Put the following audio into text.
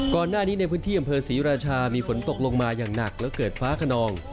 ก่อนหน้านี้ในพื้นที่อำเภอศรีราชามีฝนตกลงมาอย่างหนักแล้วเกิดฟ้าขนอง